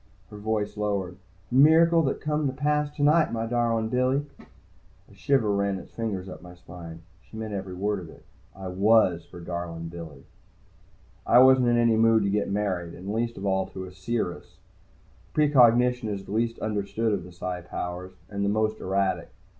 Her voice lowered. "A miracle that come to pass tonight, my darlin' Billy." A shiver ran its fingers up my spine. She meant every word of it. I was her darlin' Billy. I wasn't in any mood to get married, and least of all to a seeress. Precognition is the least understood of the Psi powers, and the most erratic.